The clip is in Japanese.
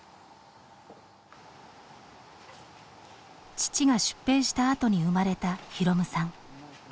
父が出兵したあとに生まれた滌さん。